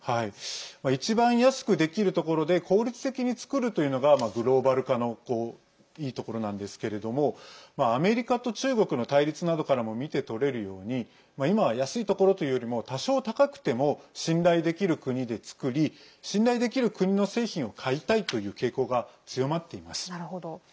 一番安くできるところで効率的に作るというのがグローバル化のいいところなんですけれどもアメリカと中国の対立などからも見てとれるように今は安いところというよりも多少、高くても信頼できる国で作り信頼できる国の製品を買いたいという傾向が強まっています。